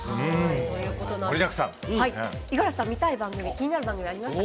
五十嵐さん、見たい番組気になる番組ありましたか？